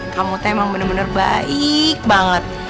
kamu tuh emang bener bener baik banget